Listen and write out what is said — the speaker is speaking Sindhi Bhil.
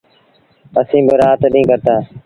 اسيٚݩ با رآت ڏيٚݩهݩ ڪرتآ۔۔